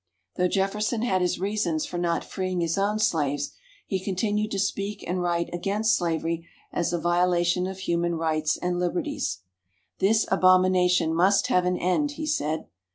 Though Jefferson had his reasons for not freeing his own slaves, he continued to speak and write against slavery as a violation of human rights and liberties. "This abomination must have an end," he said.